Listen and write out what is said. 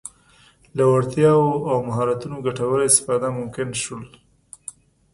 له وړتیاوو او مهارتونو ګټوره استفاده ممکن شول.